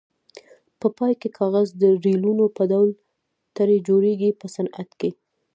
په پای کې کاغذ د ریلونو په ډول ترې جوړیږي په صنعت کې.